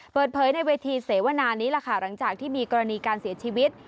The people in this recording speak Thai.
เปิดเผยในเวทีเสวนานี้ล่ะค่ะหลังจากที่มีกรณีการเสียชีวิต